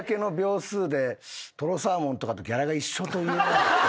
とろサーモンとかとギャラが一緒というね。